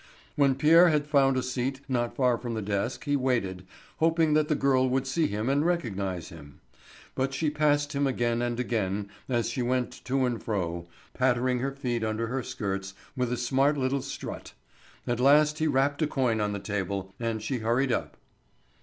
When Pierre had found a seat not far from the desk he waited, hoping that the girl would see him and recognise him. But she passed him again and again as she went to and fro, pattering her feet under her skirts with a smart little strut. At last he rapped a coin on the table, and she hurried up.